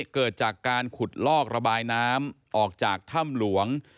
เกิดจากการขุดลอกระบายน้ำออกจากถ้ำหลวง